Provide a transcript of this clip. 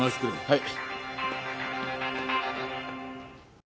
はい。